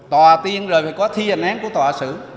tòa tiên rồi phải có thi dành án của tòa sử